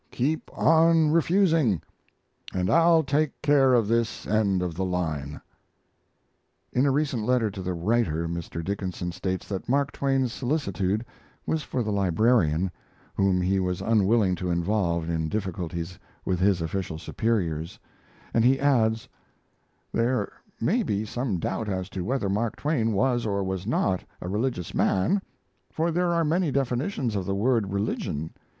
Keep on refusing, and I'll take care of this end of the line. In a recent letter to the writer Mr. Dickinson states that Mark Twain's solicitude was for the librarian, whom he was unwilling to involve in difficulties with his official superiors, and he adds: There may be some doubt as to whether Mark Twain was or was not a religious man, for there are many definitions of the word religion.